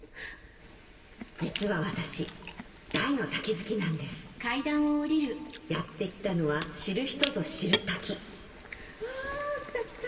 実は私大の滝好きなんですやって来たのは知る人ぞ知る滝うわきたきた！